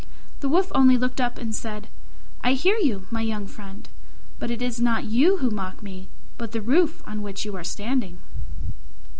The Wolf only looked up and said, "I hear you, my young friend; but it is not you who mock me, but the roof on which you are standing."